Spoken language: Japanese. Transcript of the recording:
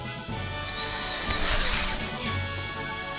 よし。